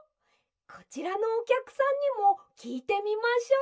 こちらのおきゃくさんにもきいてみましょう。